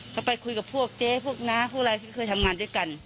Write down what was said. ก็ไปคุยกับพวกเจ๊พวกน้าพวกอะไรที่เคยทำงานด้วยกัน